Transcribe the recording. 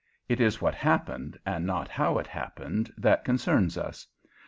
It is what happened, and not how it happened, that concerns us.